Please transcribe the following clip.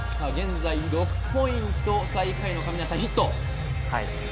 現在、６ポイント最下位の亀梨さん、ヒット。